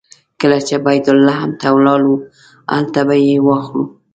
کله چې بیت لحم ته لاړو هلته به یې واخلو.